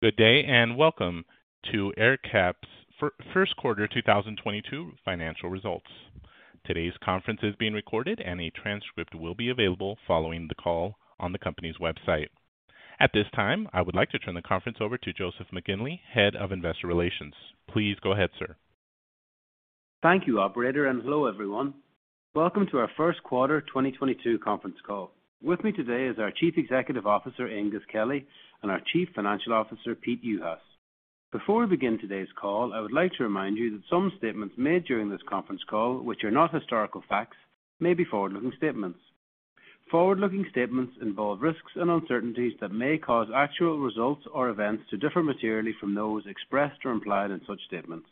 Good day, and welcome to AerCap's first quarter 2022 financial results. Today's conference is being recorded and a transcript will be available following the call on the company's website. At this time, I would like to turn the conference over to Joseph McGinley, Head of Investor Relations. Please go ahead, sir.nnnn Thank you, operator, and hello, everyone. Welcome to our first quarter 2022 conference call. With me today is our Chief Executive Officer, Aengus Kelly, and our Chief Financial Officer, Peter Juhas. Before we begin today's call, I would like to remind you that some statements made during this conference call, which are not historical facts, may be forward-looking statements. Forward-looking statements involve risks and uncertainties that may cause actual results or events to differ materially from those expressed or implied in such statements.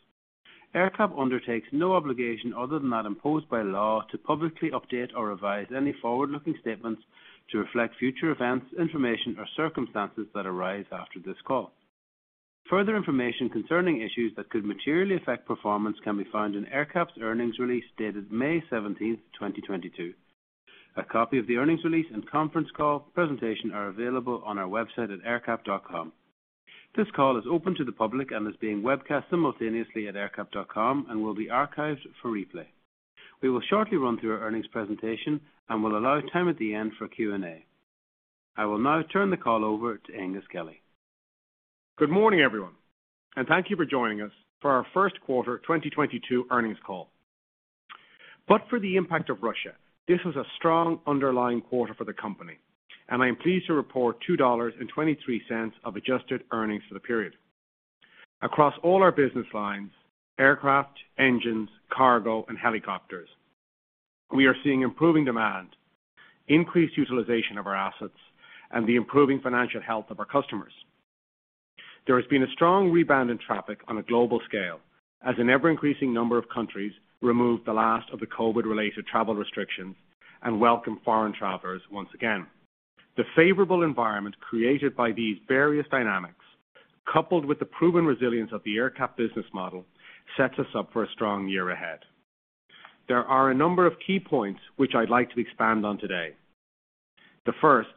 AerCap undertakes no obligation other than that imposed by law to publicly update or revise any forward-looking statements to reflect future events, information or circumstances that arise after this call. Further information concerning issues that could materially affect performance can be found in AerCap's earnings release dated May 17, 2022. A copy of the earnings release and conference call presentation are available on our website at aercap.com. This call is open to the public and is being webcast simultaneously at aercap.com and will be archived for replay. We will shortly run through our earnings presentation and will allow time at the end for Q&A. I will now turn the call over to Aengus Kelly. Good morning, everyone, and thank you for joining us for our first quarter 2022 earnings call. But for the impact of Russia, this was a strong underlying quarter for the company and I am pleased to report $2.23 of adjusted earnings for the period. Across all our business lines, aircraft, engines, cargo, and helicopters, we are seeing improving demand, increased utilization of our assets, and the improving financial health of our customers. There has been a strong rebound in traffic on a global scale as an ever-increasing number of countries remove the last of the COVID-related travel restrictions and welcome foreign travelers once again. The favorable environment created by these various dynamics, coupled with the proven resilience of the AerCap business model, sets us up for a strong year ahead. There are a number of key points which I'd like to expand on today. The first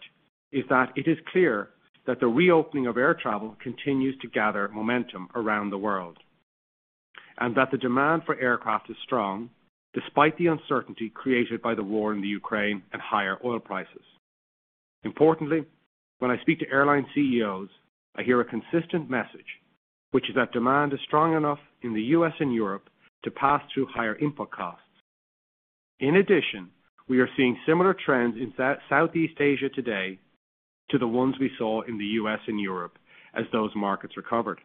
is that it is clear that the reopening of air travel continues to gather momentum around the world, and that the demand for aircraft is strong despite the uncertainty created by the war in the Ukraine and higher oil prices. Importantly, when I speak to airline CEOs, I hear a consistent message, which is that demand is strong enough in the U.S. and Europe to pass through higher input costs. In addition, we are seeing similar trends in Southeast Asia today to the ones we saw in the U.S. and Europe as those markets recovered.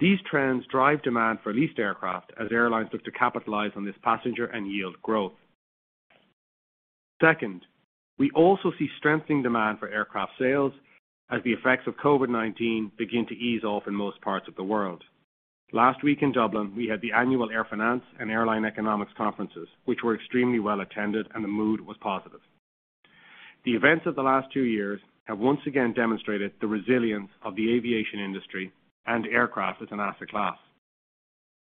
These trends drive demand for leased aircraft as airlines look to capitalize on this passenger and yield growth. Second, we also see strengthening demand for aircraft sales as the effects of COVID-19 begin to ease off in most parts of the world. Last week in Dublin, we had the Annual Air Finance and Airline Economics conferences, which were extremely well attended and the mood was positive. The events of the last two years have once again demonstrated the resilience of the aviation industry and aircraft as an asset class.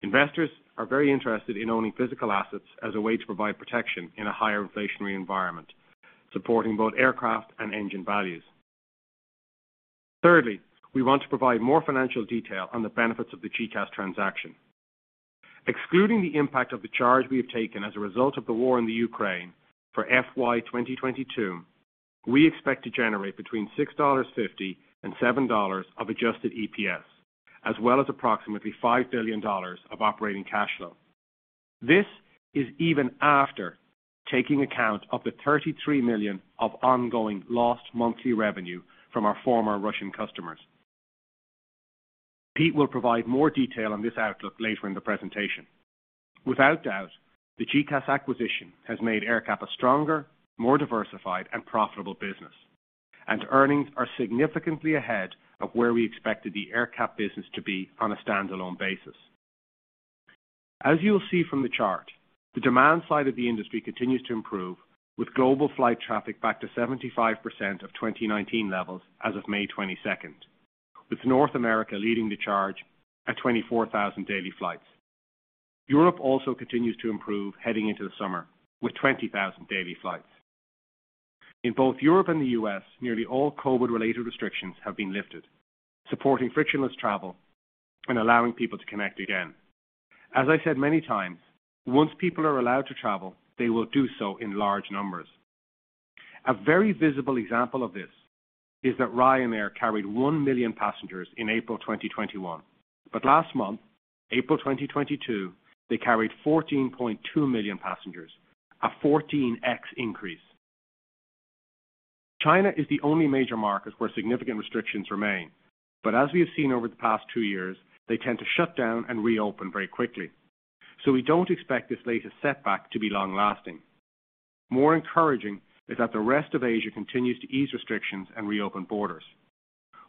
Investors are very interested in owning physical assets as a way to provide protection in a higher inflationary environment, supporting both aircraft and engine values. Thirdly, we want to provide more financial detail on the benefits of the GECAS transaction, excluding the impact of the charge we have taken as a result of the war in Ukraine. For FY 2022, we expect to generate between $6.50 and $7 of adjusted EPS, as well as approximately $5 billion of operating cash flow. This is even after taking account of the $33 million of ongoing lost monthly revenue from our former Russian customers. Pete will provide more detail on this outlook later in the presentation. Without doubt, the GECAS acquisition has made AerCap a stronger, more diversified and profitable business, and earnings are significantly ahead of where we expected the AerCap business to be on a standalone basis. As you'll see from the chart, the demand side of the industry continues to improve, with global flight traffic back to 75% of 2019 levels as of May 22nd, with North America leading the charge at 24,000 daily flights. Europe also continues to improve heading into the summer with 20,000 daily flights. In both Europe and the US, nearly all COVID-related restrictions have been lifted, supporting frictionless travel and allowing people to connect again. As I said many times, once people are allowed to travel, they will do so in large numbers. A very visible example of this is that Ryanair carried 1 million passengers in April 2021. Last month, April 2022, they carried 14.2 million passengers, a 14x increase. China is the only major market where significant restrictions remain. As we have seen over the past two years, they tend to shut down and reopen very quickly. We don't expect this latest setback to be long-lasting. More encouraging is that the rest of Asia continues to ease restrictions and reopen borders.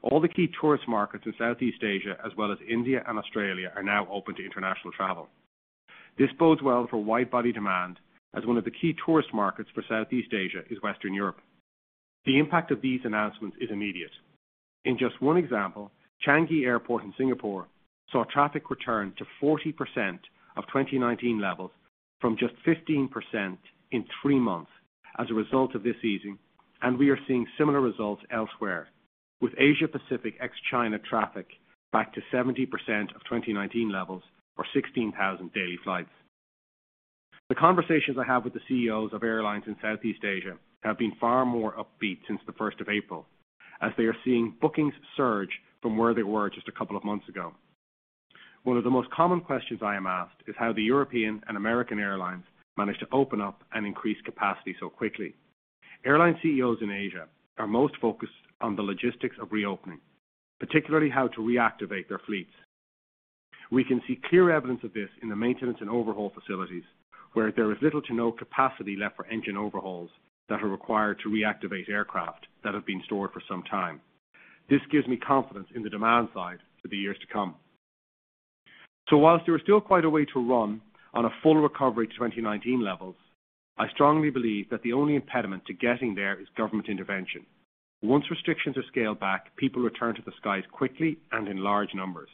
All the key tourist markets in Southeast Asia, as well as India and Australia, are now open to international travel. This bodes well for wide body demand, as one of the key tourist markets for Southeast Asia is Western Europe. The impact of these announcements is immediate. In just one example, Changi Airport in Singapore saw traffic return to 40% of 2019 levels from just 15% in three months as a result of this easing, and we are seeing similar results elsewhere, with Asia Pacific ex China traffic back to 70% of 2019 levels or 16,000 daily flights. The conversations I have with the CEOs of airlines in Southeast Asia have been far more upbeat since the first of April, as they are seeing bookings surge from where they were just a couple of months ago. One of the most common questions I am asked is how the European and American airlines managed to open up and increase capacity so quickly. Airline CEOs in Asia are most focused on the logistics of reopening, particularly how to reactivate their fleets. We can see clear evidence of this in the maintenance and overhaul facilities, where there is little to no capacity left for engine overhauls that are required to reactivate aircraft that have been stored for some time. This gives me confidence in the demand side for the years to come. While there are still quite a way to run on a full recovery to 2019 levels, I strongly believe that the only impediment to getting there is government intervention. Once restrictions are scaled back, people return to the skies quickly and in large numbers.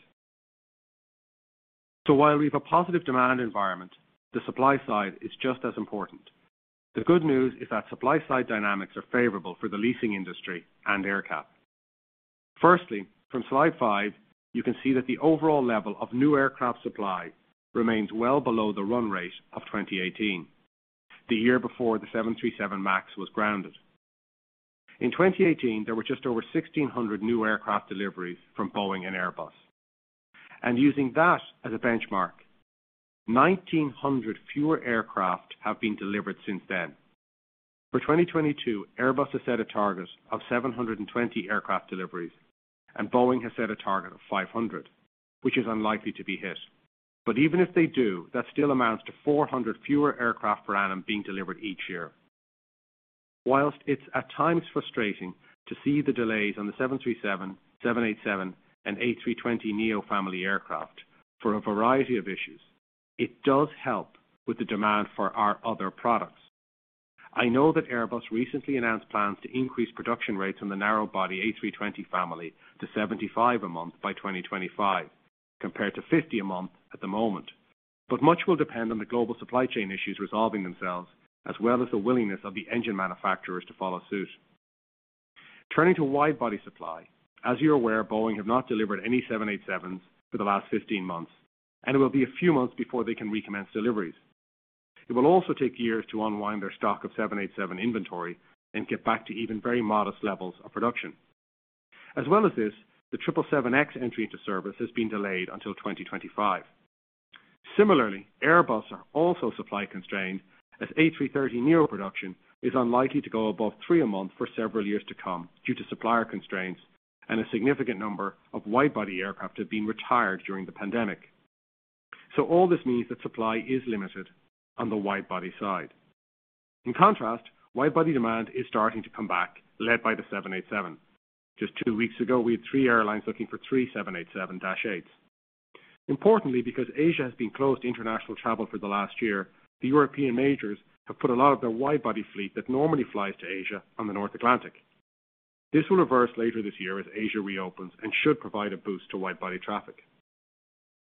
While we have a positive demand environment, the supply side is just as important. The good news is that supply side dynamics are favorable for the leasing industry and AerCap. Firstly, from slide five, fyou can see that the overall level of new aircraft supply remains well below the run rate of 2018, the year before the 737 MAX was grounded. In 2018, there were just over 1,600 new aircraft deliveries from Boeing and Airbus. Using that as a benchmark, 1,900 fewer aircraft have been delivered since then. For 2022, Airbus has set a target of 720 aircraft deliveries, and Boeing has set a target of 500, which is unlikely to be hit. Even if they do, that still amounts to 400 fewer aircraft per annum being delivered each year. While it's at times frustrating to see the delays on the 737, 787, and A320neo family aircraft for a variety of issues, it does help with the demand for our other products. I know that Airbus recently announced plans to increase production rates on the narrow-body A320 family to 75 a month by 2025, compared to 50 a month at the moment. Much will depend on the global supply chain issues resolving themselves, as well as the willingness of the engine manufacturers to follow suit. Turning to wide-body supply, as you're aware, Boeing have not delivered any 787s for the last 15 months, and it will be a few months before they can recommence deliveries. It will also take years to unwind their stock of 787 inventory and get back to even very modest levels of production. As well as this, the 777X entry into service has been delayed until 2025. Similarly, Airbus are also supply constrained as A330neo production is unlikely to go above three a month for several years to come due to supplier constraints and a significant number of wide-body aircraft have been retired during the pandemic. All this means that supply is limited on the wide-body side. In contrast, wide-body demand is starting to come back, led by the 787. Just two weeks ago, we had three airlines looking for 3787-8. Importantly, because Asia has been closed to international travel for the last year, the European majors have put a lot of their wide-body fleet that normally flies to Asia on the North Atlantic. This will reverse later this year as Asia reopens and should provide a boost to wide-body traffic.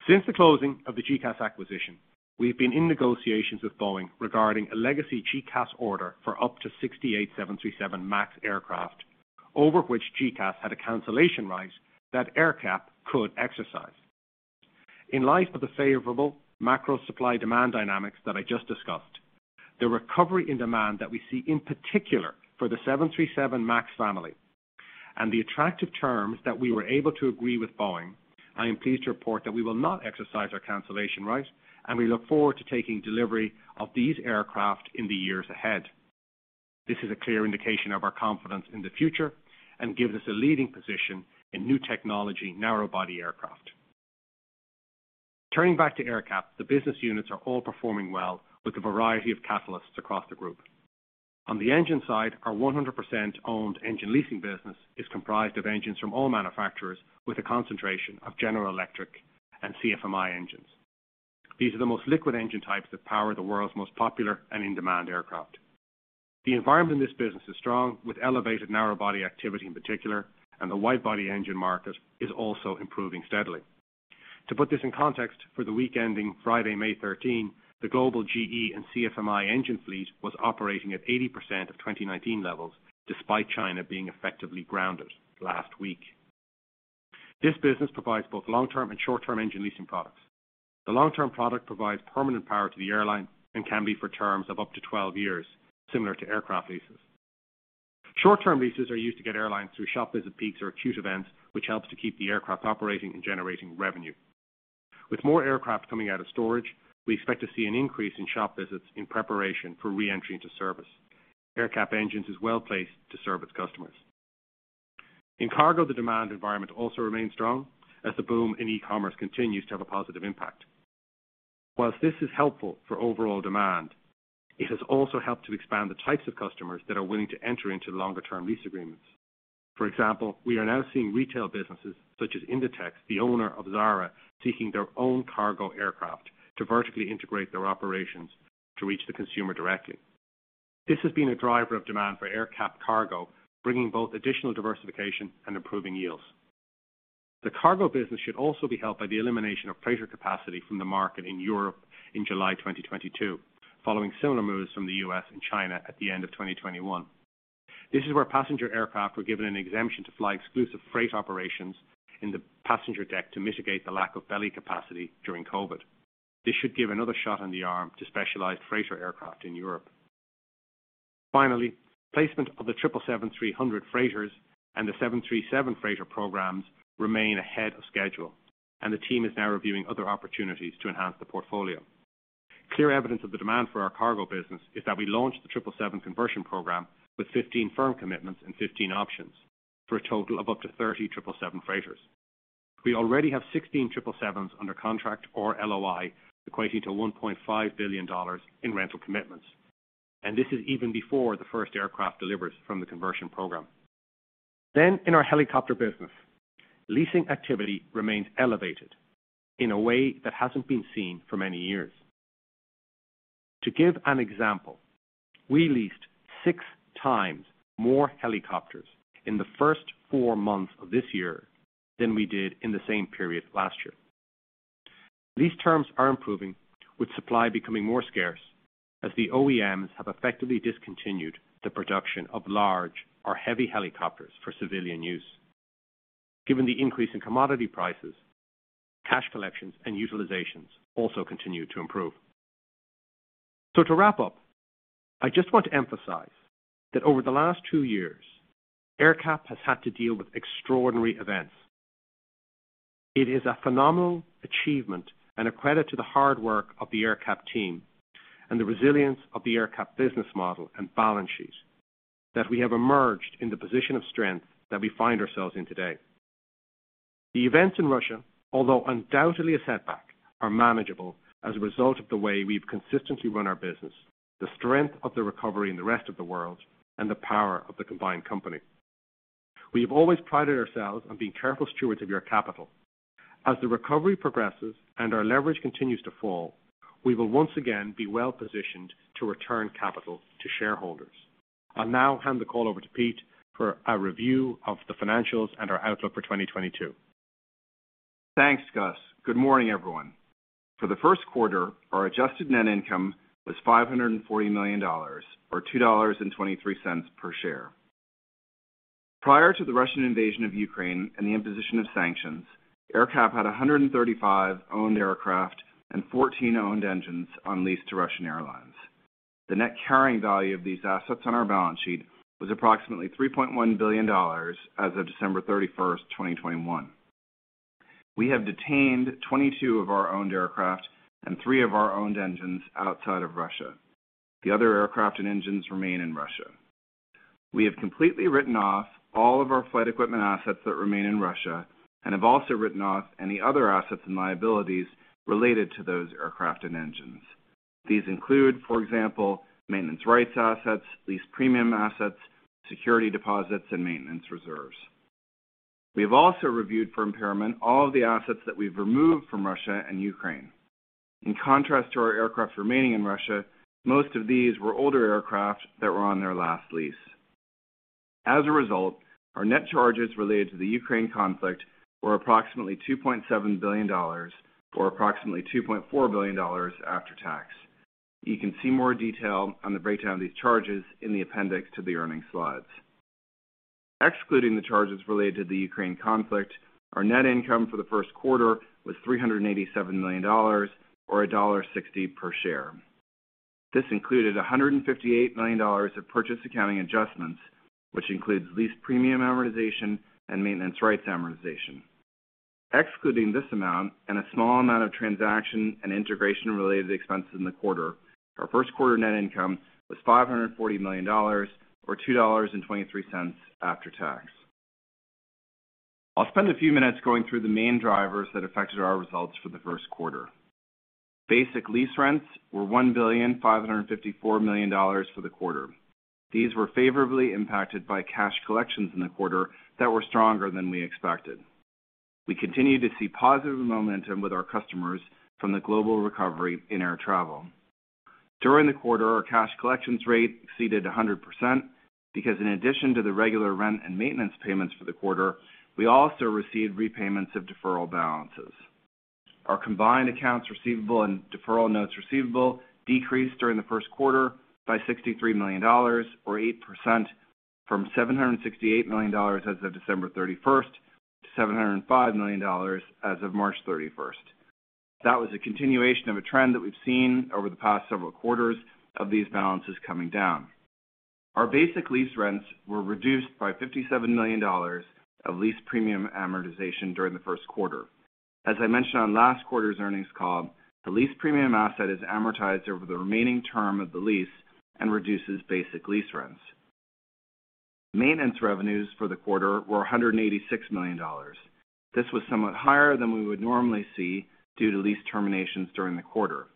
Since the closing of the GECAS acquisition, we've been in negotiations with Boeing regarding a legacy GECAS order for up to 68737 MAX aircraft, over which GECAS had a cancellation right that AerCap could exercise. In light of the favorable macro supply demand dynamics that I just discussed, the recovery in demand that we see in particular for the 737 MAX family and the attractive terms that we were able to agree with Boeing, I am pleased to report that we will not exercise our cancellation right, and we look forward to taking delivery of these aircraft in the years ahead. This is a clear indication of our confidence in the future and gives us a leading position in new technology narrow body aircraft. Turning back to AerCap, the business units are all performing well with a variety of catalysts across the group. On the engine side, our 100% owned engine leasing business is comprised of engines from all manufacturers with a concentration of General Electric and CFMI engines. These are the most liquid engine types that power the world's most popular and in-demand aircraft. The environment in this business is strong with elevated narrow-body activity in particular, and the wide-body engine market is also improving steadily. To put this in context, for the week ending Friday, May 13th, the global GE and CFMI engine fleet was operating at 80% of 2019 levels despite China being effectively grounded last week. This business provides both long-term and short-term engine leasing products. The long-term product provides permanent power to the airline and can be for terms of up to 12 years. Similar to aircraft leases. Short-term leases are used to get airlines through shop visit peaks or acute events, which helps to keep the aircraft operating and generating revenue. With more aircraft coming out of storage, we expect to see an increase in shop visits in preparation for re-entry into service. AerCap Engines is well-placed to serve its customers. In cargo, the demand environment also remains strong as the boom in e-commerce continues to have a positive impact. While this is helpful for overall demand, it has also helped to expand the types of customers that are willing to enter into longer-term lease agreements. For example, we are now seeing retail businesses such as Inditex, the owner of Zara, seeking their own cargo aircraft to vertically integrate their operations to reach the consumer directly. This has been a driver of demand for AerCap Cargo, bringing both additional diversification and improving yields. The cargo business should also be helped by the elimination of freighter capacity from the market in Europe in July 2022, following similar moves from the US and China at the end of 2021. This is where passenger aircraft were given an exemption to fly exclusive freight operations in the passenger deck to mitigate the lack of belly capacity during COVID. This should give another shot in the arm to specialized freighter aircraft in Europe. Finally, placement of the 777-300 freighters and the 737 freighter programs remain ahead of schedule, and the team is now reviewing other opportunities to enhance the portfolio. Clear evidence of the demand for our cargo business is that we launched the 777 conversion program with 15 firm commitments and 15 options for a total of up to 30 777 freighters. We already have 16 777 under contract or LOI, equating to $1.5 billion in rental commitments. This is even before the first aircraft delivers from the conversion program. In our helicopter business, leasing activity remains elevated in a way that hasn't been seen for many years. To give an example, we leased six times more helicopters in the first four months of this year than we did in the same period last year. Lease terms are improving, with supply becoming more scarce as the OEMs have effectively discontinued the production of large or heavy helicopters for civilian use. Given the increase in commodity prices, cash collections and utilizations also continue to improve. To wrap up, I just want to emphasize that over the last two years, AerCap has had to deal with extraordinary events. It is a phenomenal achievement and a credit to the hard work of the AerCap team and the resilience of the AerCap business model and balance sheet that we have emerged in the position of strength that we find ourselves in today. The events in Russia, although undoubtedly a setback, are manageable as a result of the way we've consistently run our business, the strength of the recovery in the rest of the world, and the power of the combined company. We have always prided ourselves on being careful stewards of your capital. As the recovery progresses and our leverage continues to fall, we will once again be well-positioned to return capital to shareholders. I'll now hand the call over to Pete for a review of the financials and our outlook for 2022. Thanks, Gus. Good morning, everyone. For the first quarter, our adjusted net income was $540 million or $2.23 per share. Prior to the Russian invasion of Ukraine and the imposition of sanctions, AerCap had 135 owned aircraft and 14 owned engines on lease to Russian airlines. The net carrying value of these assets on our balance sheet was approximately $3.1 billion as of December 31, 2021. We have detained 22 of our owned aircraft and three of our owned engines outside of Russia. The other aircraft and engines remain in Russia. We have completely written off all of our flight equipment assets that remain in Russia and have also written off any other assets and liabilities related to those aircraft and engines. These include, for example, maintenance rights assets, lease premium assets, security deposits, and maintenance reserves. We have also reviewed for impairment all of the assets that we've removed from Russia and Ukraine. In contrast to our aircraft remaining in Russia, most of these were older aircraft that were on their last lease. As a result, our net charges related to the Ukraine conflict were approximately $2.7 billion, or approximately $2.4 billion after tax. You can see more detail on the breakdown of these charges in the appendix to the earnings slides. Excluding the charges related to the Ukraine conflict, our net income for the first quarter was $387 million or $1.60 per share. This included $158 million of purchase accounting adjustments, which includes lease premium amortization and maintenance rights amortization. Excluding this amount and a small amount of transaction and integration-related expenses in the quarter, our first quarter net income was $540 million or $2.23 after tax. I'll spend a few minutes going through the main drivers that affected our results for the first quarter. Basic lease rents were $1,554 million for the quarter. These were favorably impacted by cash collections in the quarter that were stronger than we expected. We continue to see positive momentum with our customers from the global recovery in air travel. During the quarter, our cash collections rate exceeded 100% because in addition to the regular rent and maintenance payments for the quarter, we also received repayments of deferral balances. Our combined accounts receivable and deferral notes receivable decreased during the first quarter by $63 million or 8% from $768 million as of December 31st to $705 million as of March 31. That was a continuation of a trend that we've seen over the past several quarters of these balances coming down. Our basic lease rents were reduced by $57 million of lease premium amortization during the first quarter. As I mentioned on last quarter's earnings call, the lease premium asset is amortized over the remaining term of the lease and reduces basic lease rents. Maintenance revenues for the quarter were $186 million. This was somewhat higher than we would normally see due to lease terminations during the quarter.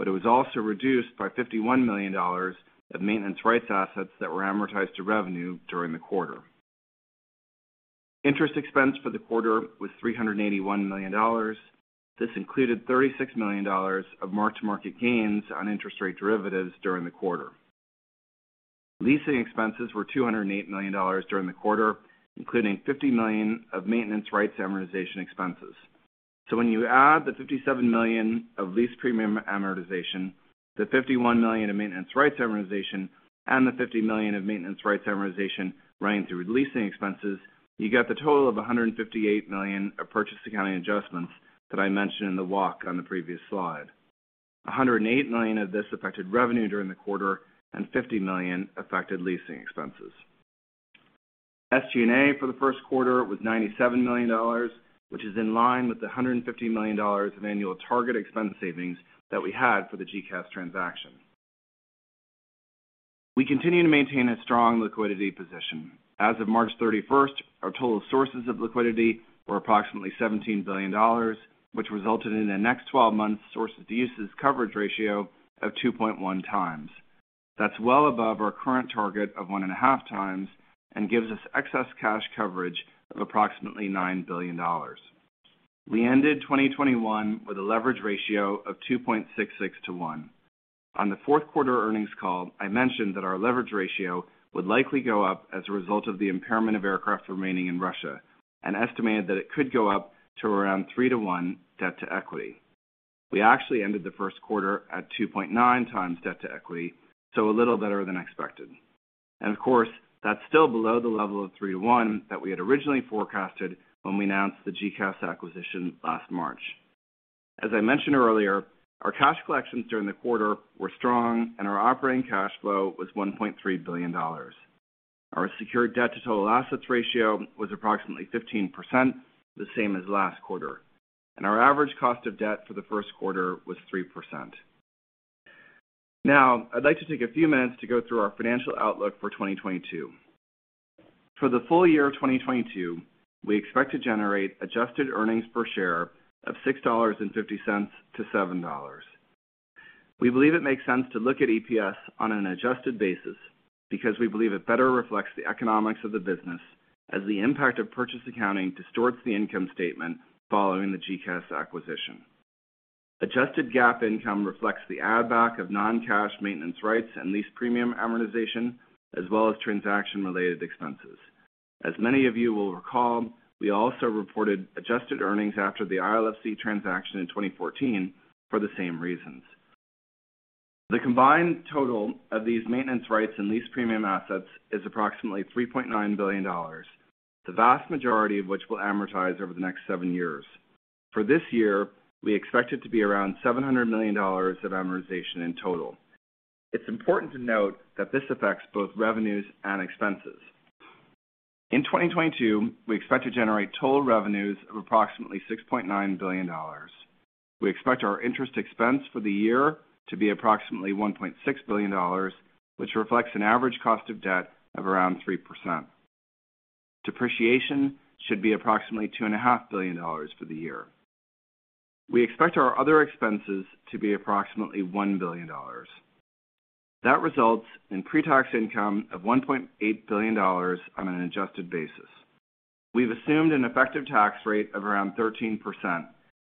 It was also reduced by $51 million of maintenance rights assets that were amortized to revenue during the quarter. Interest expense for the quarter was $381 million. This included $36 million of mark-to-market gains on interest rate derivatives during the quarter. Leasing expenses were $208 million during the quarter, including $50 million of maintenance rights amortization expenses. When you add the $57 million of lease premium amortization, the $51 million in maintenance rights amortization, and the $50 million of maintenance rights amortization running through leasing expenses, you get the total of $158 million of purchase accounting adjustments that I mentioned in the walk on the previous slide. $108 million of this affected revenue during the quarter and $50 million affected leasing expenses. SG&A for the first quarter was $97 million, which is in line with the $150 million of annual target expense savings that we had for the GECAS transaction. We continue to maintain a strong liquidity position. As of March 31st, our total sources of liquidity were approximately $17 billion, which resulted in the next 12 months source to uses coverage ratio of 2.1x. That's well above our current target of 1.5x and gives us excess cash coverage of approximately $9 billion. We ended 2021 with a leverage ratio of 2.66 to 1. On the fourth quarter earnings call, I mentioned that our leverage ratio would likely go up as a result of the impairment of aircraft remaining in Russia and estimated that it could go up to around 3-to-1 debt-to-equity. We actually ended the first quarter at 2.9x debt-to-equity, so a little better than expected. Of course, that's still below the level of 3-to-1 that we had originally forecasted when we announced the GECAS acquisition last March. As I mentioned earlier, our cash collections during the quarter were strong and our operating cash flow was $1.3 billion. Our secured debt to total assets ratio was approximately 15%, the same as last quarter, and our average cost of debt for the first quarter was 3%. Now, I'd like to take a few minutes to go through our financial outlook for 2022. For the full year of 2022, we expect to generate adjusted earnings per share of $6.50-$7. We believe it makes sense to look at EPS on an adjusted basis because we believe it better reflects the economics of the business as the impact of purchase accounting distorts the income statement following the GECAS acquisition. Adjusted GAAP income reflects the add-back of non-cash maintenance rights and lease premium amortization, as well as transaction-related expenses. As many of you will recall, we also reported adjusted earnings after the ILFC transaction in 2014 for the same reasons. The combined total of these maintenance rights and lease premium assets is approximately $3.9 billion, the vast majority of which will amortize over the next seven years. For this year, we expect it to be around $700 million of amortization in total. It's important to note that this affects both revenues and expenses. In 2022, we expect to generate total revenues of approximately $6.9 billion. We expect our interest expense for the year to be approximately $1.6 billion, which reflects an average cost of debt of around 3%. Depreciation should be approximately $2 and a half billion for the year. We expect our other expenses to be approximately $1 billion. That results in pre-tax income of $1.8 billion on an adjusted basis. We've assumed an effective tax rate of around 13%,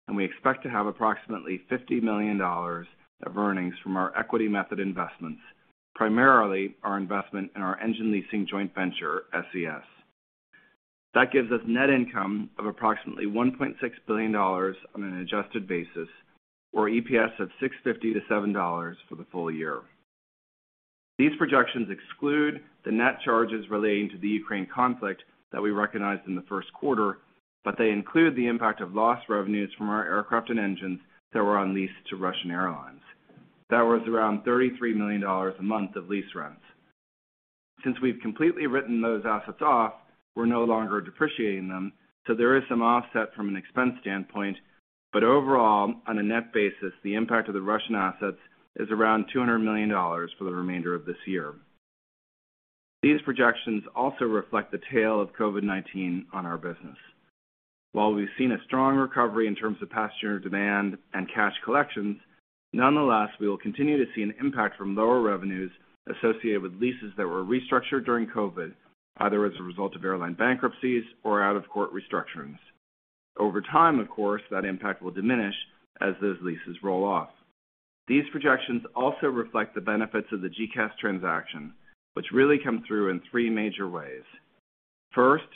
and we expect to have approximately $50 million of earnings from our equity method investments, primarily our investment in our engine leasing joint venture, SES. That gives us net income of approximately $1.6 billion on an adjusted basis or EPS of $6.50-$7 for the full year. These projections exclude the net charges relating to the Ukraine conflict that we recognized in the first quarter, but they include the impact of lost revenues from our aircraft and engines that were on lease to Russian airlines. That was around $33 million a month of lease rents. Since we've completely written those assets off, we're no longer depreciating them, so there is some offset from an expense standpoint. But overall, on a net basis, the impact of the Russian assets is around $200 million for the remainder of this year. These projections also reflect the tail of COVID-19 on our business. While we've seen a strong recovery in terms of passenger demand and cash collections, nonetheless, we will continue to see an impact from lower revenues associated with leases that were restructured during COVID, either as a result of airline bankruptcies or out-of-court restructurings. Over time, of course, that impact will diminish as those leases roll off. These projections also reflect the benefits of the GECAS transaction, which really come through in three major ways. First,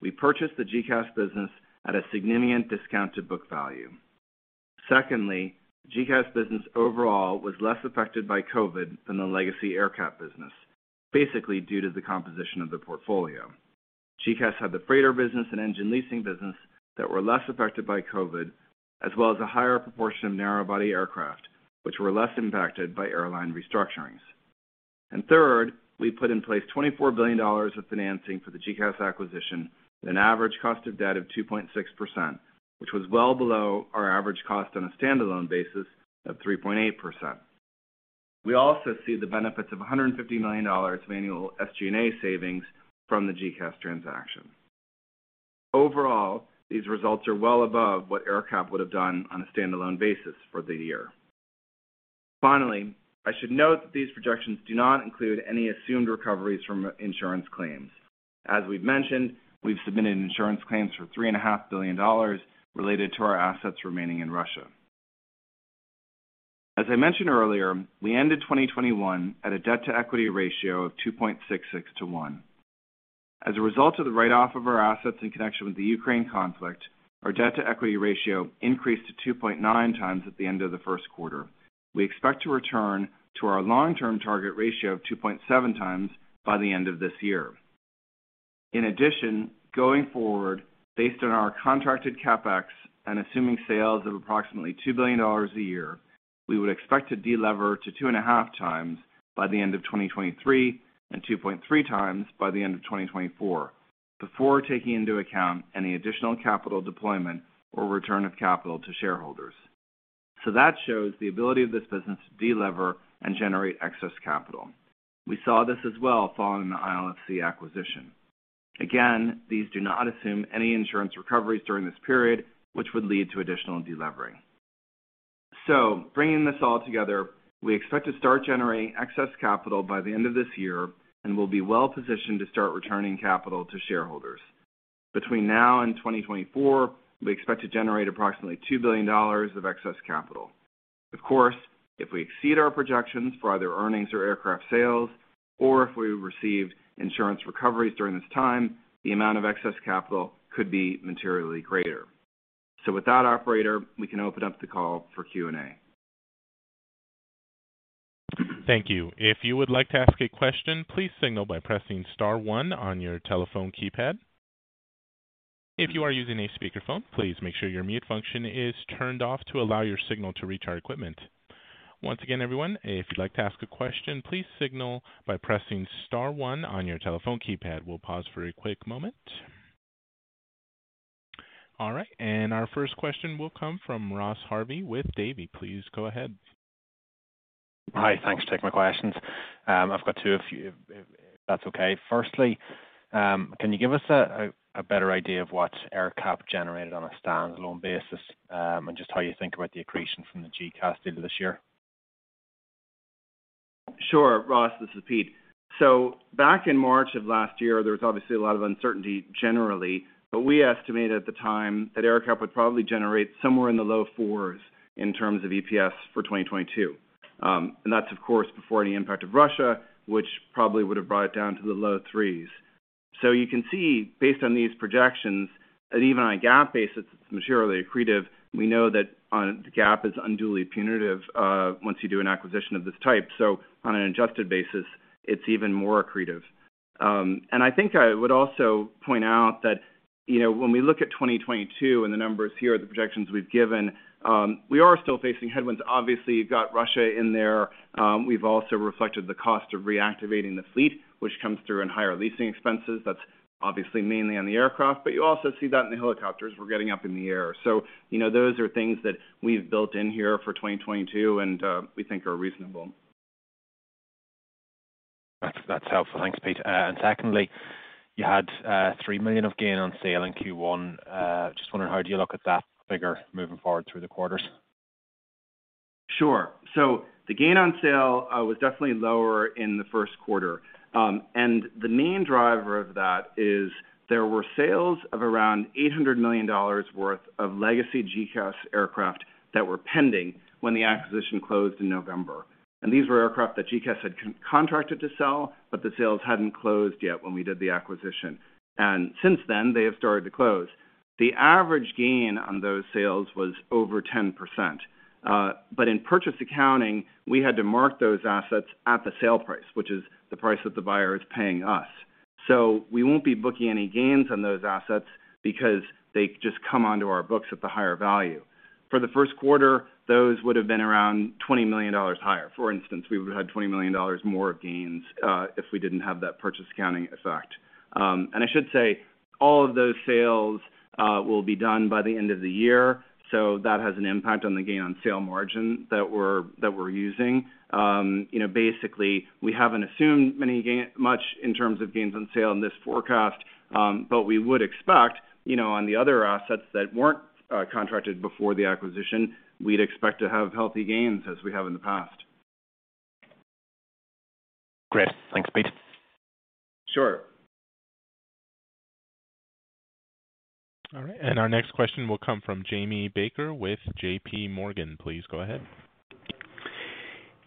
we purchased the GECAS business at a significant discount to book value. Secondly, GECAS business overall was less affected by COVID than the legacy AerCap business, basically due to the composition of the portfolio. GECAS had the freighter business and engine leasing business that were less affected by COVID, as well as a higher proportion of narrow-body aircraft, which were less impacted by airline restructurings. Third, we put in place $24 billion of financing for the GECAS acquisition with an average cost of debt of 2.6%, which was well below our average cost on a standalone basis of 3.8%. We also see the benefits of $150 million of annual SG&A savings from the GECAS transaction. Overall, these results are well above what AerCap would have done on a standalone basis for the year. Finally, I should note that these projections do not include any assumed recoveries from insurance claims. As we've mentioned, we've submitted insurance claims for $3.5 billion related to our assets remaining in Russia. As I mentioned earlier, we ended 2021 at a debt-to-equity ratio of 2.66 to 1. As a result of the write-off of our assets in connection with the Ukraine conflict, our debt-to-equity ratio increased to 2.9x at the end of the first quarter. We expect to return to our long-term target ratio of 2.7x by the end of this year. In addition, going forward, based on our contracted CapEx and assuming sales of approximately $2 billion a year, we would expect to de-lever to 2.5x by the end of 2023 and 2.3x by the end of 2024, before taking into account any additional capital deployment or return of capital to shareholders. That shows the ability of this business to delever and generate excess capital. We saw this as well following the ILFC acquisition. Again, these do not assume any insurance recoveries during this period, which would lead to additional delevering. Bringing this all together, we expect to start generating excess capital by the end of this year and will be well positioned to start returning capital to shareholders. Between now and 2024, we expect to generate approximately $2 billion of excess capital. Of course, if we exceed our projections for either earnings or aircraft sales, or if we receive insurance recoveries during this time, the amount of excess capital could be materially greater. With that operator, we can open up the call for Q&A. Thank you. If you would like to ask a question, please signal by pressing star one on your telephone keypad. If you are using a speakerphone, please make sure your mute function is turned off to allow your signal to reach our equipment. Once again, everyone, if you'd like to ask a question, please signal by pressing star one on your telephone keypad. We'll pause for a quick moment. All right. Our first question will come from Ross Harvey with Davy. Please go ahead. Hi. Thanks for taking my questions. I've got two if that's okay. Firstly, can you give us a better idea of what AerCap generated on a standalone basis, and just how you think about the accretion from the GECAS deal this year? Sure. Ross, this is Pete. Back in March of last year, there was obviously a lot of uncertainty generally, but we estimated at the time that AerCap would probably generate somewhere in the low fours in terms of EPS for 2022. That's of course before any impact of Russia, which probably would have brought it down to the low threes. You can see based on these projections, and even on a GAAP basis, it's materially accretive. We know that the GAAP is unduly punitive once you do an acquisition of this type. On an adjusted basis, it's even more accretive. I think I would also point out that, you know, when we look at 2022 and the numbers here are the projections we've given, we are still facing headwinds. Obviously, you've got Russia in there. We've also reflected the cost of reactivating the fleet, which comes through in higher leasing expenses. That's obviously mainly on the aircraft, but you also see that in the helicopters we're getting up in the air. You know, those are things that we've built in here for 2022 and we think are reasonable. That's helpful. Thanks, Pete. Secondly, you had $3 million of gain on sale in Q1. Just wondering, how you look at that figure moving forward through the quarters. Sure. The gain on sale was definitely lower in the first quarter. The main driver of that is there were sales of around $800 million worth of legacy GECAS aircraft that were pending when the acquisition closed in November. These were aircraft that GECAS had contracted to sell, but the sales hadn't closed yet when we did the acquisition. Since then they have started to close. The average gain on those sales was over 10%. In purchase accounting, we had to mark those assets at the sale price, which is the price that the buyer is paying us. We won't be booking any gains on those assets because they just come onto our books at the higher value. For the first quarter, those would've been around $20 million higher. For instance, we would've had $20 million more of gains if we didn't have that purchase accounting effect. I should say all of those sales will be done by the end of the year. That has an impact on the gain on sale margin that we're using. You know, basically we haven't assumed much in terms of gains on sale in this forecast. We would expect, you know, on the other assets that weren't contracted before the acquisition, we'd expect to have healthy gains as we have in the past. Great. Thanks, Pete. Sure. All right, our next question will come from Jamie Baker with JPMorgan. Please go ahead.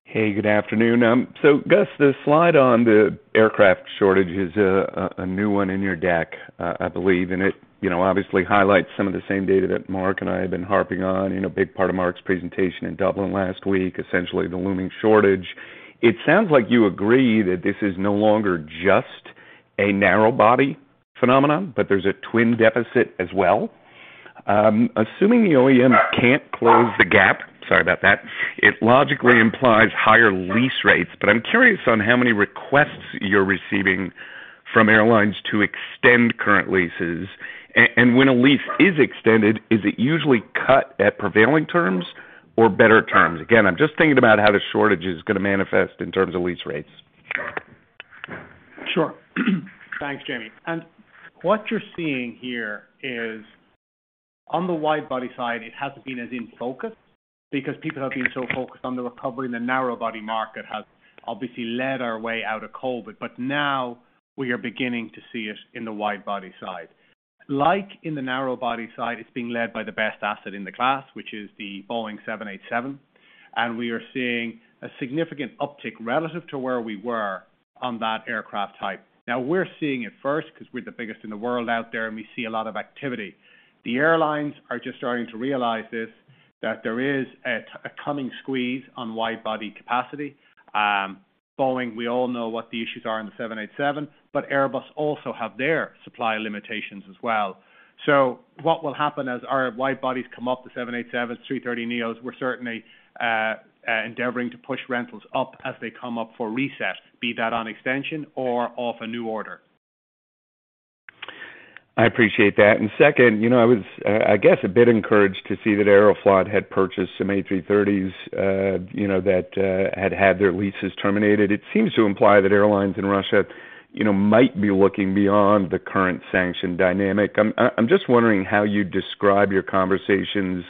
Hey, good afternoon. So, Gus, the slide on the aircraft shortage is a new one in your deck, I believe, and it, you know, obviously highlights some of the same data that Mark and I have been harping on in a big part of Mark's presentation in Dublin last week, essentially the looming shortage. It sounds like you agree that this is no longer just a narrow body phenomenon, but there's a twin deficit as well. Assuming the OEM can't close the gap, sorry about that, it logically implies higher lease rates. I'm curious on how many requests you're receiving from airlines to extend current leases. When a lease is extended, is it usually cut at prevailing terms or better terms? Again, I'm just thinking about how the shortage is gonna manifest in terms of lease rates. Sure. Thanks, Jamie. What you're seeing here is on the wide-body side, it hasn't been as in focus because people have been so focused on the recovery, and the narrow-body market has obviously led our way out of COVID, but now we are beginning to see it in the wide-body side. Like in the narrow-body side, it's being led by the best asset in the class, which is the Boeing 787. We are seeing a significant uptick relative to where we were on that aircraft type. Now we're seeing it first because we're the biggest in the world out there, and we see a lot of activity. The airlines are just starting to realize this, that there is a coming squeeze on wide-body capacity. Boeing, we all know what the issues are in the 787, but Airbus also have their supply limitations as well. What will happen as our wide-bodies come up, the 787s, A330neos, we're certainly endeavoring to push rentals up as they come up for reset, be that on extension or off a new order. I appreciate that. Second, you know, I was, I guess, a bit encouraged to see that Aeroflot had purchased some A330s, you know, that had their leases terminated. It seems to imply that airlines in Russia, you know, might be looking beyond the current sanction dynamic. I'm just wondering how you describe your conversations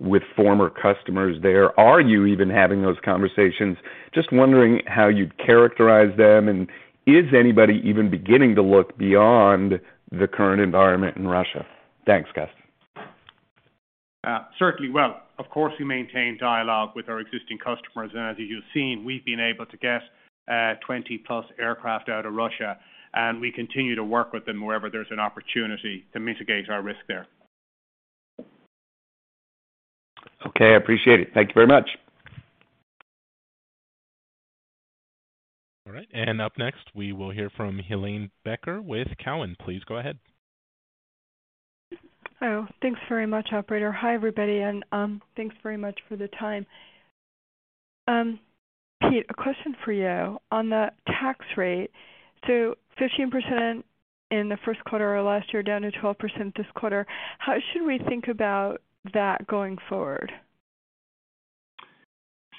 with former customers there. Are you even having those conversations? Just wondering how you'd characterize them, and is anybody even beginning to look beyond the current environment in Russia? Thanks, Gus. Certainly. Well, of course, we maintain dialogue with our existing customers, and as you've seen, we've been able to get 20+ aircraft out of Russia, and we continue to work with them wherever there's an opportunity to mitigate our risk there. Okay, I appreciate it. Thank you very much. All right. Up next, we will hear from Helane Becker with Cowen. Please go ahead. Oh, thanks very much, operator. Hi, everybody, and thanks very much for the time. Pete, a question for you on the tax rate. 15% in the first quarter of last year, down to 12% this quarter. How should we think about that going forward?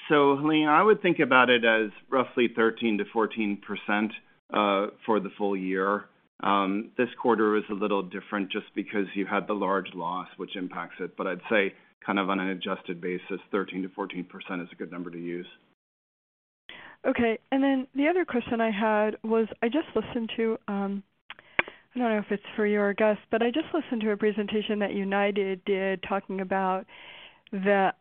Helane, I would think about it as roughly 13% to 14% for the full year. This quarter is a little different just because you had the large loss, which impacts it. I'd say kind of on an adjusted basis, 13% to 14% is a good number to use. Okay. The other question I had was, I just listened to, I don't know if it's for you or Gus, but I just listened to a presentation that United did talking about the,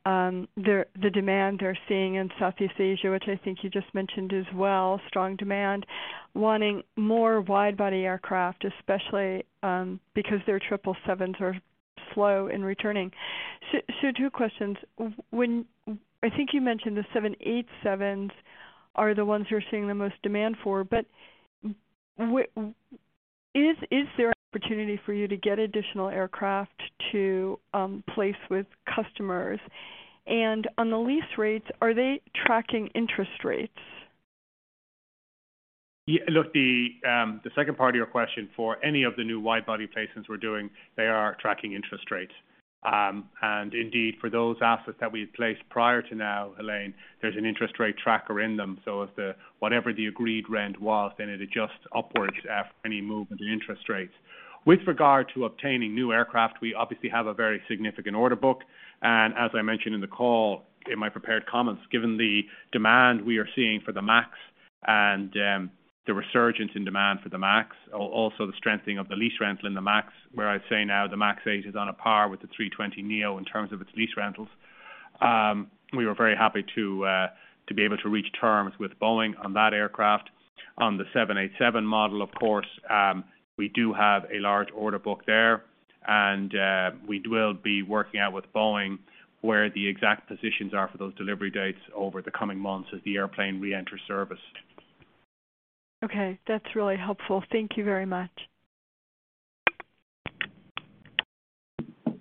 their, the demand they're seeing in Southeast Asia, which I think you just mentioned as well, strong demand, wanting more wide-body aircraft, especially, because their 777s are slow in returning. Two questions. I think you mentioned the 787s are the ones who are seeing the most demand for, but is there opportunity for you to get additional aircraft to place with customers? On the lease rates, are they tracking interest rates? Yeah. Look, the second part of your question for any of the new wide-body placements we're doing, they are tracking interest rates. Indeed, for those assets that we had placed prior to now, Helane, there's an interest rate tracker in them. If whatever the agreed rent was, then it adjusts upwards after any movement in interest rates. With regard to obtaining new aircraft, we obviously have a very significant order book. As I mentioned in the call, in my prepared comments, given the demand we are seeing for the MAX and the resurgence in demand for the MAX, also the strengthening of the lease rental in the MAX, where I'd say now the MAX 8 is on a par with the 320neo in terms of its lease rentals. We were very happy to be able to reach terms with Boeing on that aircraft. On the 787 model, of course, we do have a large order book there. We will be working out with Boeing where the exact positions are for those delivery dates over the coming months as the airplane reenters service. Okay, that's really helpful. Thank you very much. All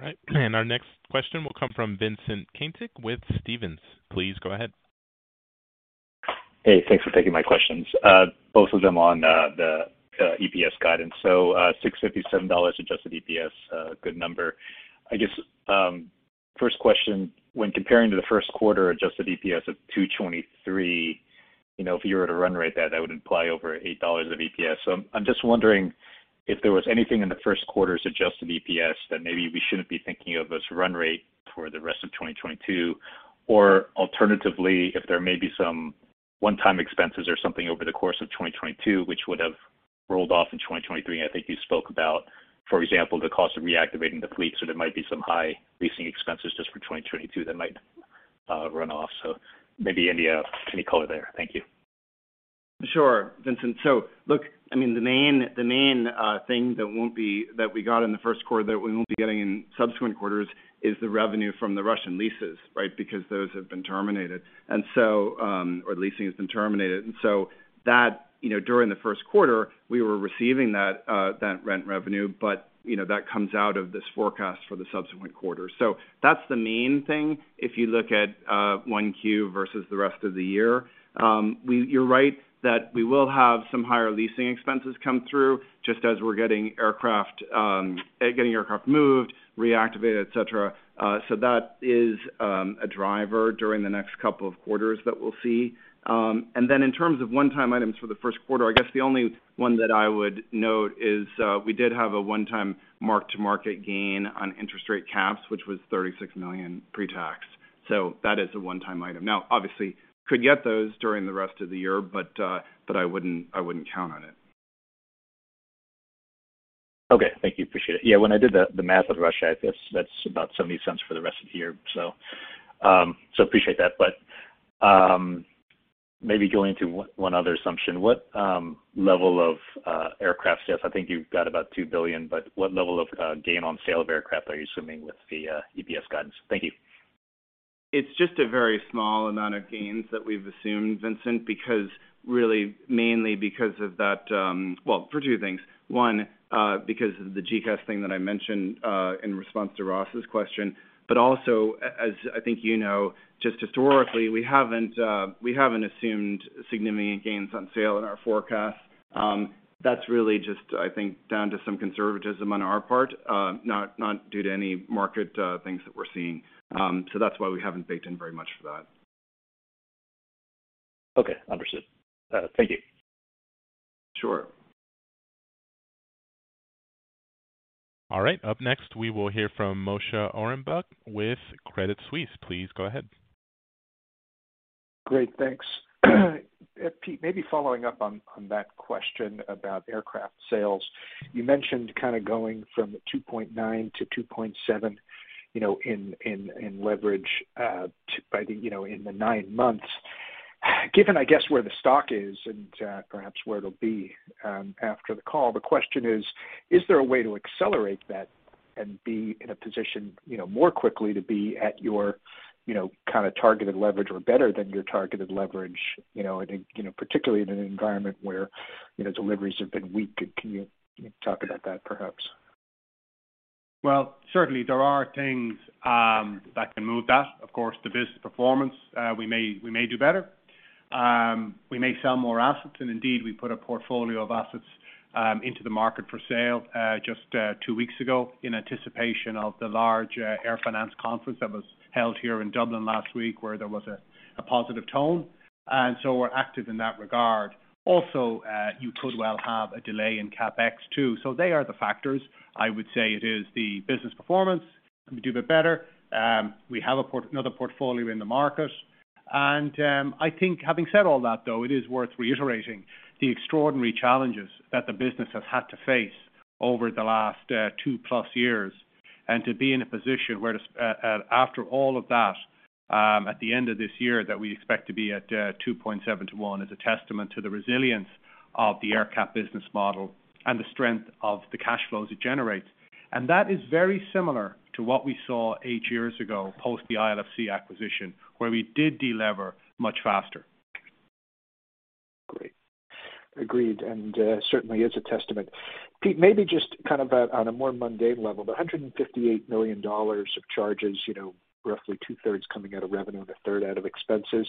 right. Our next question will come from Vincent Caintic with Stephens. Please go ahead. Hey, thanks for taking my questions. Both of them on the EPS guidance. $6.57 adjusted EPS, good number. I guess, first question, when comparing to the first quarter adjusted EPS of $2.23, you know, if you were to run rate that that would imply over $8 of EPS. I'm just wondering if there was anything in the first quarter's adjusted EPS that maybe we shouldn't be thinking of as run rate for the rest of 2022, or alternatively, if there may be some one-time expenses or something over the course of 2022, which would have rolled off in 2023. I think you spoke about, for example, the cost of reactivating the fleet. There might be some high leasing expenses just for 2022 that might run off. Maybe any color there. Thank you. Sure, Vincent. Look, I mean, the main thing that we got in the first quarter that we won't be getting in subsequent quarters is the revenue from the Russian leases, right? Because those have been terminated. Our leasing has been terminated. That, you know, during the first quarter, we were receiving that rent revenue, but, you know, that comes out of this forecast for the subsequent quarter. That's the main thing if you look at Q1 versus the rest of the year. You're right that we will have some higher leasing expenses come through just as we're getting aircraft moved, reactivated, et cetera. That is a driver during the next couple of quarters that we'll see. In terms of one-time items for the first quarter, I guess the only one that I would note is. We did have a one-time mark-to-market gain on interest rate caps, which was $36 million pre-tax. So that is a one-time item. Now, obviously, could get those during the rest of the year, but I wouldn't count on it. Okay. Thank you. Appreciate it. Yeah. When I did the math of Russia, I guess that's about $0.70 for the rest of the year. Appreciate that. Maybe going to one other assumption. What level of aircraft sales? I think you've got about $2 billion, but what level of gain on sale of aircraft are you assuming with the EPS guidance? Thank you. It's just a very small amount of gains that we've assumed, Vincent, because really mainly because of that. Well, for two things. One, because of the GECAS thing that I mentioned in response to Ross's question, but also as I think you know, just historically, we haven't assumed significant gains on sale in our forecast. That's really just, I think, down to some conservatism on our part, not due to any market things that we're seeing. That's why we haven't baked in very much for that. Okay. Understood. Thank you. Sure. All right. Up next, we will hear from Moshe Orenbuch with Credit Suisse. Please go ahead. Great. Thanks. Pete, maybe following up on that question about aircraft sales. You mentioned kind of going from 2.9 to 2.7, you know, in leverage by the nine months. Given, I guess, where the stock is and perhaps where it'll be after the call, the question is: Is there a way to accelerate that and be in a position, you know, more quickly to be at your, you know, kind of targeted leverage or better than your targeted leverage, you know? I think, you know, particularly in an environment where, you know, deliveries have been weak. Can you talk about that, perhaps? Well, certainly there are things that can move that. Of course, the business performance, we may do better. We may sell more assets, and indeed, we put a portfolio of assets into the market for sale just two weeks ago in anticipation of the large air finance conference that was held here in Dublin last week, where there was a positive tone. We're active in that regard. Also, you could well have a delay in CapEx too. They are the factors. I would say it is the business performance. We do a bit better. We have another portfolio in the market. I think having said all that, though, it is worth reiterating the extraordinary challenges that the business has had to face over the last two plus years. To be in a position where, after all of that, at the end of this year, that we expect to be at 2.7 to 1 is a testament to the resilience of the AerCap business model and the strength of the cash flows it generates. That is very similar to what we saw eight years ago, post the ILFC acquisition, where we did delever much faster. Great. Agreed. Certainly is a testament. Pete, maybe just kind of on a more mundane level, the $158 million of charges, you know, roughly two-thirds coming out of revenue and a third out of expenses.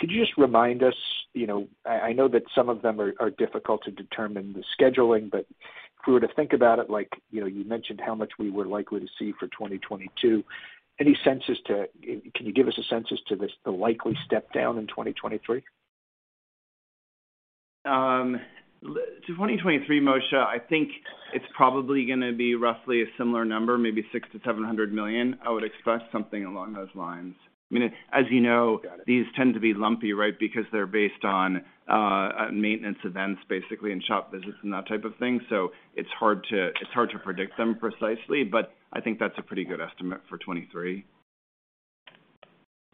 Could you just remind us, you know, I know that some of them are difficult to determine the scheduling, but if we were to think about it, like, you know, you mentioned how much we were likely to see for 2022. Can you give us a sense as to this, the likely step down in 2023? 2023, Moshe, I think it's probably gonna be roughly a similar number, maybe $600 million-$700 million. I would expect something along those lines. I mean, as you know. Got it. These tend to be lumpy, right? Because they're based on maintenance events, basically, and shop visits and that type of thing. So it's hard to predict them precisely, but I think that's a pretty good estimate for 2023.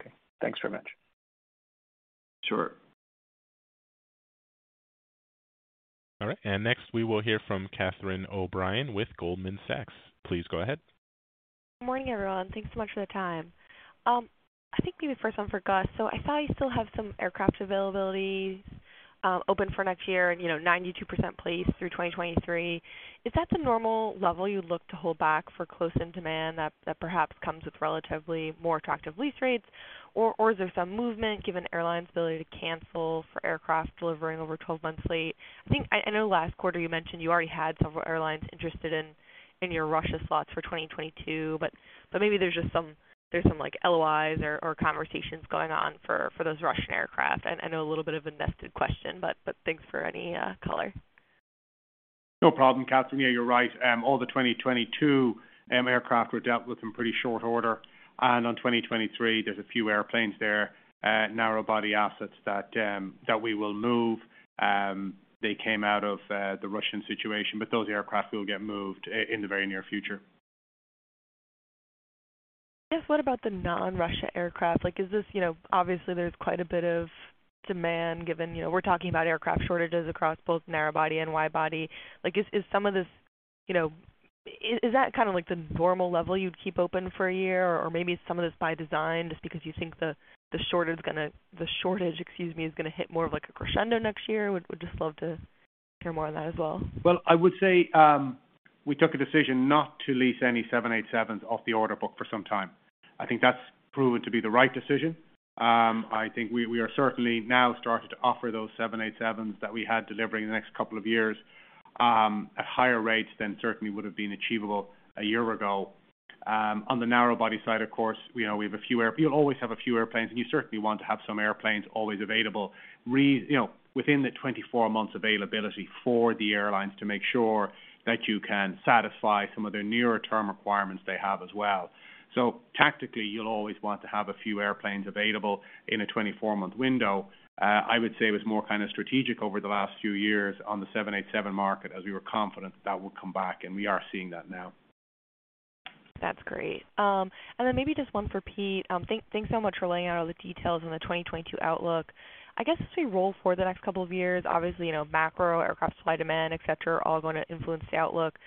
Okay. Thanks very much. Sure. All right. Next, we will hear from Catherine O'Brien with Goldman Sachs. Please go ahead. Morning, everyone. Thanks so much for the time. I think maybe the first one for Gus. I saw you still have some aircraft availability open for next year and, you know, 92% placed through 2023. Is that the normal level you look to hold back for close-in demand that perhaps comes with relatively more attractive lease rates? Or is there some movement given airlines' ability to cancel for aircraft delivering over 12 months late? I know last quarter you mentioned you already had several airlines interested in your Russia slots for 2022, but maybe there's just some, like, LOIs or conversations going on for those Russian aircraft. I know a little bit of a nested question, but thanks for any color. No problem, Catherine. Yeah, you're right. All the 2022 aircraft were dealt with in pretty short order. On 2023, there's a few airplanes there, narrow body assets that we will move. They came out of the Russian situation, but those aircraft will get moved in the very near future. I guess, what about the non-Russia aircraft? Like, is this? You know, obviously there's quite a bit of demand given, you know, we're talking about aircraft shortages across both narrow body and wide body. Like, is some of this, you know? Is that kinda like the normal level you'd keep open for a year? Or maybe some of it's by design just because you think the shortage, excuse me, is gonna hit more of like a crescendo next year? Would just love to hear more on that as well. Well, I would say, we took a decision not to lease any 787 off the order book for some time. I think that's proven to be the right decision. I think we are certainly now starting to offer those 787s that we had delivering in the next couple of years, at higher rates than certainly would have been achievable a year ago. On the narrow body side, of course, we know we have a few. You'll always have a few airplanes, and you certainly want to have some airplanes always available, you know, within the 24 months availability for the airlines to make sure that you can satisfy some of their nearer term requirements they have as well. Tactically, you'll always want to have a few airplanes available in a 24-month window. I would say it was more kind of strategic over the last few years on the 787 market, as we were confident that would come back, and we are seeing that now. That's great. Then maybe just one for Pete. Thanks so much for laying out all the details in the 2022 outlook. I guess as we roll for the next couple of years, obviously, you know, macro aircraft, supply, demand, et cetera, are all going to influence the outlook.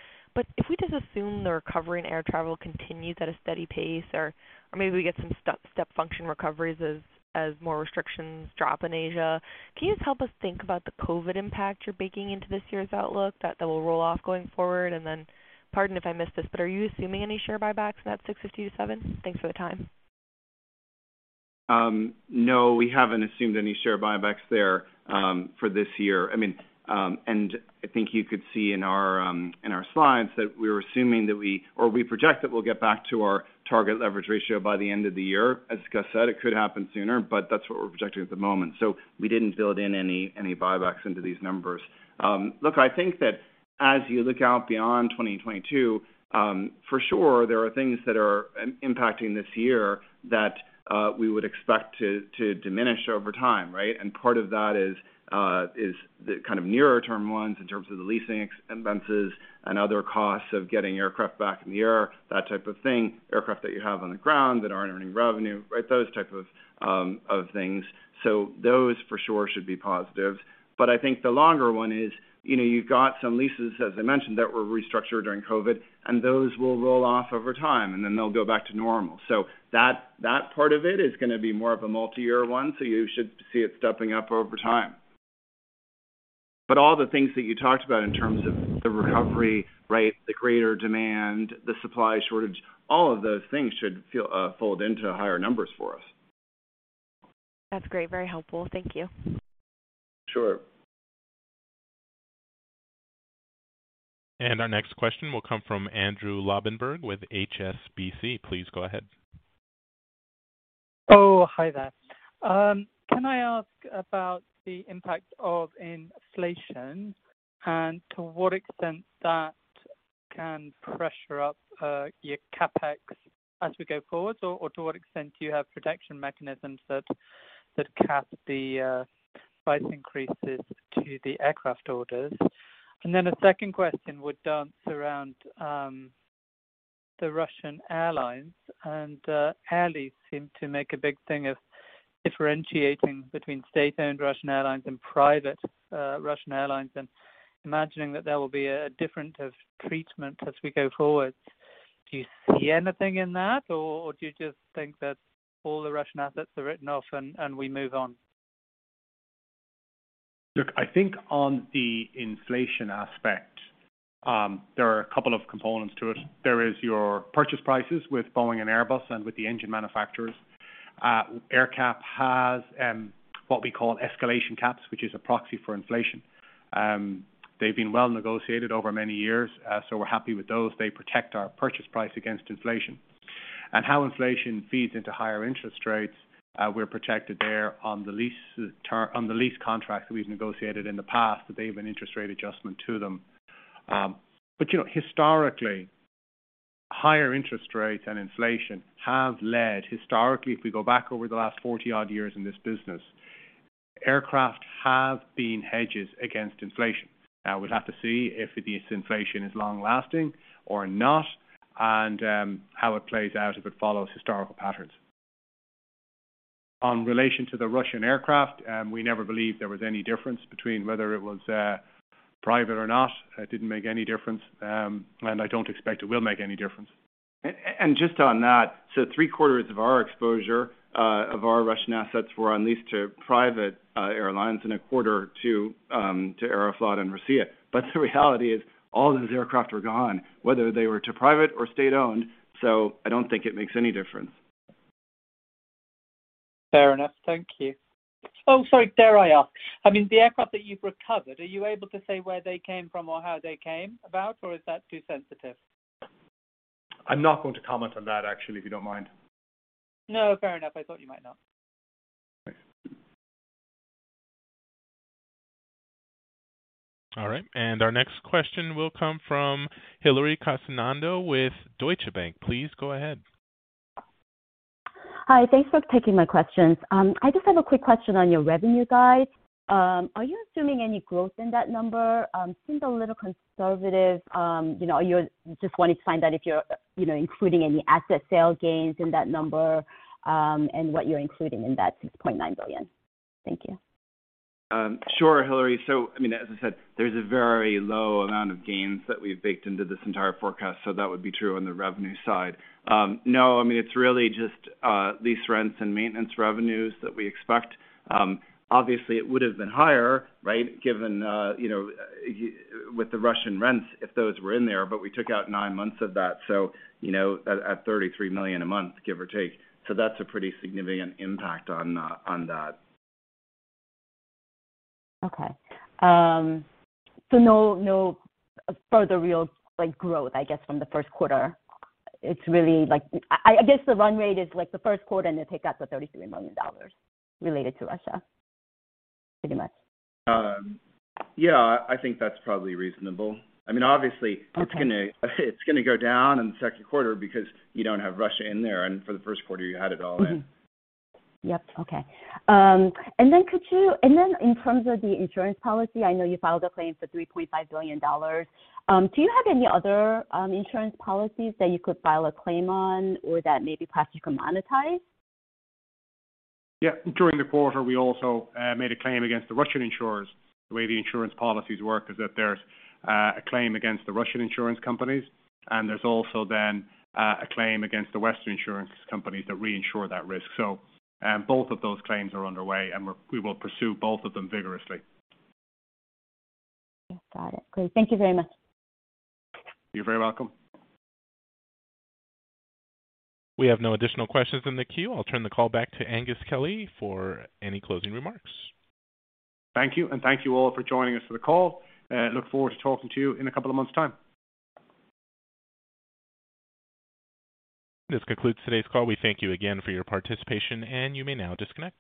If we just assume the recovery in air travel continues at a steady pace or maybe we get some step function recoveries as more restrictions drop in Asia, can you just help us think about the COVID impact you're baking into this year's outlook that will roll off going forward? Pardon if I missed this, but are you assuming any share buybacks in that $6.50-$7? Thanks for the time. No, we haven't assumed any share buybacks there for this year. I mean, I think you could see in our slides that we project that we'll get back to our target leverage ratio by the end of the year. As Gus said, it could happen sooner, but that's what we're projecting at the moment. We didn't build in any buybacks into these numbers. Look, I think that as you look out beyond 2022, for sure there are things that are impacting this year that we would expect to diminish over time, right? Part of that is the kind of nearer term ones in terms of the leasing expenses and other costs of getting aircraft back in the air, that type of thing. Aircraft that you have on the ground that aren't earning revenue, right? Those type of things. Those for sure should be positive. I think the longer one is, you know, you've got some leases, as I mentioned, that were restructured during COVID, and those will roll off over time and then they'll go back to normal. That part of it is gonna be more of a multi-year one. You should see it stepping up over time. All the things that you talked about in terms of the recovery, right, the greater demand, the supply shortage, all of those things should all fold into higher numbers for us. That's great. Very helpful. Thank you. Sure. Our next question will come from Andrew Lobbenberg with HSBC. Please go ahead. Oh, hi there. Can I ask about the impact of inflation and to what extent that can pressure up your CapEx as we go forward, or to what extent do you have protection mechanisms that cap the price increases to the aircraft orders? Then a second question would dance around the Russian airlines. Ali seemed to make a big thing of differentiating between state-owned Russian airlines and private Russian airlines and imagining that there will be a different treatment as we go forward. Do you see anything in that, or do you just think that all the Russian assets are written off and we move on? Look, I think on the inflation aspect, there are a couple of components to it. There is your purchase prices with Boeing and Airbus and with the engine manufacturers. AerCap has what we call escalation caps, which is a proxy for inflation. They've been well negotiated over many years, so we're happy with those. They protect our purchase price against inflation. How inflation feeds into higher interest rates, we're protected there on the lease contracts that we've negotiated in the past, that they have an interest rate adjustment to them. But you know, higher interest rates and inflation have led, if we go back over the last 40-odd years in this business, aircraft have been hedges against inflation. Now, we'll have to see if this inflation is long-lasting or not and how it plays out, if it follows historical patterns. On relation to the Russian aircraft, we never believed there was any difference between whether it was private or not. It didn't make any difference, and I don't expect it will make any difference. Just on that, three-quarters of our exposure of our Russian assets were on lease to private airlines and a quarter to Aeroflot and Rossiya. The reality is all of these aircraft are gone, whether they were to private or state-owned. I don't think it makes any difference. Fair enough. Thank you. Oh, sorry, dare I ask. I mean, the aircraft that you've recovered, are you able to say where they came from or how they came about, or is that too sensitive? I'm not going to comment on that, actually, if you don't mind. No, fair enough. I thought you might not. Thanks. All right. Our next question will come from Hillary Cacanando with Deutsche Bank. Please go ahead. Hi. Thanks for taking my questions. I just have a quick question on your revenue guide. Are you assuming any growth in that number? Seems a little conservative. You know, I just want to find out if you're, you know, including any asset sale gains in that number, and what you're including in that $6.9 billion. Thank you. Sure, Hillary. I mean, as I said, there's a very low amount of gains that we've baked into this entire forecast. That would be true on the revenue side. No, I mean, it's really just lease rents and maintenance revenues that we expect. Obviously, it would have been higher, right, given you know, with the Russian rents if those were in there, but we took out nine months of that, so you know, at $33 million a month, give or take. That's a pretty significant impact on that. No further real, like, growth, I guess, from the first quarter. It's really like, I guess, the run rate is like the first quarter and then take out the $33 million related to Russia, pretty much. Yeah, I think that's probably reasonable. I mean, obviously. Okay. It's gonna go down in the second quarter because you don't have Russia in there, and for the first quarter you had it all in. In terms of the insurance policy, I know you filed a claim for $3.5 billion. Do you have any other insurance policies that you could file a claim on or that maybe perhaps you could monetize? Yeah. During the quarter, we also made a claim against the Russian insurers. The way the insurance policies work is that there's a claim against the Russian insurance companies, and there's also then a claim against the Western insurance companies that reinsure that risk. Both of those claims are underway, and we will pursue both of them vigorously. Got it. Great. Thank you very much. You're very welcome. We have no additional questions in the queue. I'll turn the call back to Aengus Kelly for any closing remarks. Thank you. Thank you all for joining us for the call, and look forward to talking to you in a couple of months' time. This concludes today's call. We thank you again for your participation, and you may now disconnect.